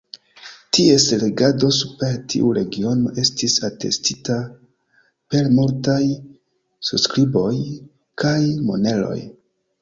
Ties regado super tiu regiono estis atestita per multaj surskriboj kaj moneroj.